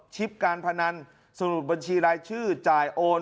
การพนันสรุปบัญชีรายชื่อจ่ายโอน